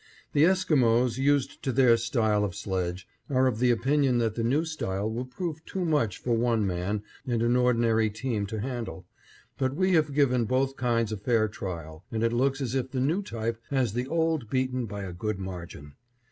The Esquimos, used to their style of sledge, are of the opinion that the new style will prove too much for one man and an ordinary team to handle, but we have given both kinds a fair trial and it looks as if the new type has the old beaten by a good margin.